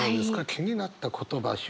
気になった言葉表現。